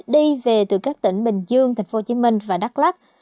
đi về từ các tỉnh bình dương tp hcm và đắk lắc